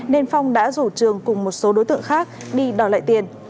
nên phong đã rủ trường cùng một số đối tượng khác đi đòi lại tiền